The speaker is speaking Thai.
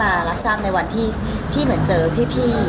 มารับทราบในวันที่เหมือนเจอพี่